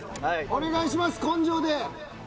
お願いします、根性で。